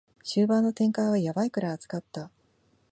終盤の展開はヤバいくらい熱かった